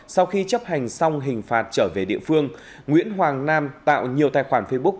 sau khi chấp hành xong hình phạt trở về địa phương nguyễn hoàng nam tạo nhiều tài khoản facebook